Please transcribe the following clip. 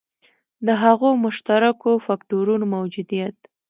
د هغو مشترکو فکټورونو موجودیت.